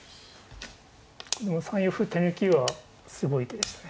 この３四歩手抜きはすごい手でしたね。